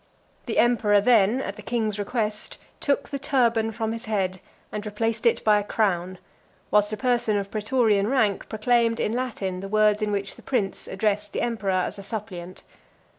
The emperor then, at the king's request, took the turban from his head, and replaced it by a crown, whilst a person of pretorian rank proclaimed in Latin the words in which the prince addressed the emperor as a suppliant.